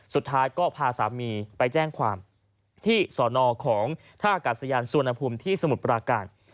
สุดท้ายก็พาสามีไปแจ้งความที่สอนอของท่าอากาศยานสุวรรณภูมิที่สมุทรปราการ